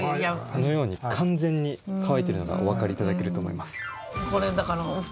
このように完全に乾いているのがおわかり頂けると思います。